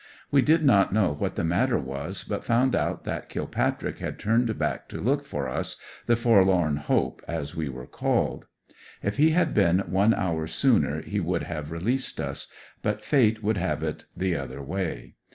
We did not know what the matter was but found out that Kilpatrick had turned back to look for us, the ''forlorn hope," as we were called. If he had been one hour soon er, he would have released us ; but fate would have it the other way.